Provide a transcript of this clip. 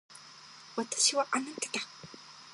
私はあなただ。